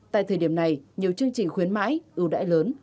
tại thời điểm này nhiều chương trình khuyến mãi ưu đãi lớn